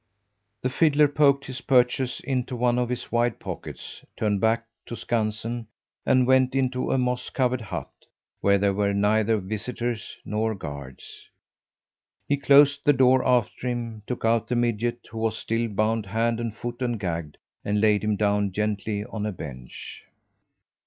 The fiddler poked his purchase into one of his wide pockets, turned back to Skansen, and went into a moss covered hut, where there were neither visitors nor guards. He closed the door after him, took out the midget, who was still bound hand and foot and gagged, and laid him down gently on a bench.